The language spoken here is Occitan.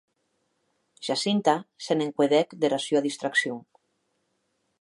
Jacinta se n’encuedèc dera sua distraccion.